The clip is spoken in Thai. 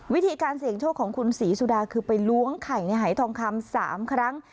วิธีการเสี่ยงโชคของคุณศรีสุดาคือไปล้วงไข่ในหายทองคำ๓ครั้ง